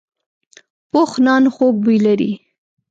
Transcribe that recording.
پوخ نان خوږ بوی لري